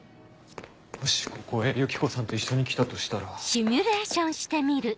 もしここへユキコさんと一緒に来たとしたら。